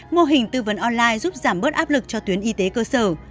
mô hình tư vấn online giúp giảm bớt áp lực cho tuyến y tế cơ sở